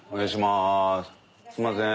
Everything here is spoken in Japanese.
すみません。